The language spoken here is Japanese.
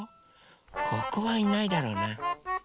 ここはいないだろうな。